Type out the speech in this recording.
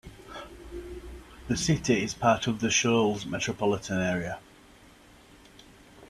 The city is part of The Shoals metropolitan area.